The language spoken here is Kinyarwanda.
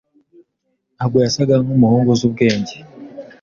Ntabwo yasaga nkumuhungu uzi ubwenge.